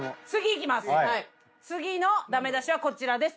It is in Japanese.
次のダメ出しはこちらです。